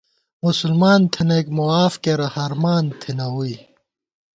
مسلمان تھنَئیک معاف کېرہ، ہرمان تھنہ ووئی